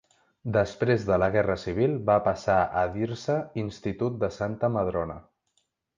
Després de la guerra civil va passar a dir-se Institut de Santa Madrona.